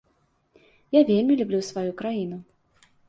Я вельмі люблю сваю краіну.